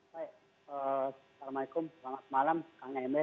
baik assalamualaikum selamat malam kak emel